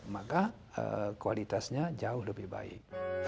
maka kualitasnya jauh lebih baik